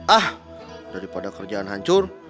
ah daripada kerjaan hancur